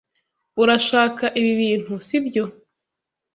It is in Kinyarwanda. Urashaka ibi bintu, sibyo?